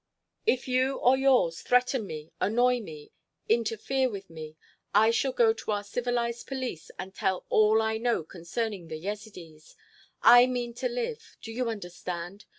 "If you, or yours, threaten me, annoy me, interfere with me, I shall go to our civilised police and tell all I know concerning the Yezidees. I mean to live. Do you understand?